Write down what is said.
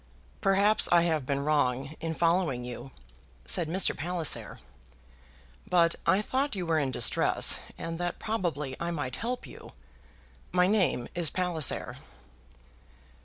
"Perhaps I have been wrong in following you," said Mr. Palliser, "but I thought you were in distress, and that probably I might help you. My name is Palliser."